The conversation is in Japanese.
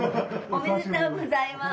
おめでとうございます！